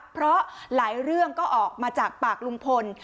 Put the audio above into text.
เพราะหลายเรื่องก็ออกมาจากปากลุงพล